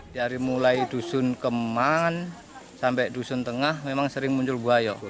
dari mulai dusun keman sampai dusun tengah memang sering muncul buaya